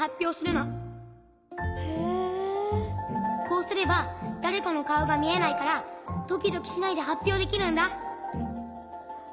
こうすればだれかのかおがみえないからドキドキしないではっぴょうできるんだ。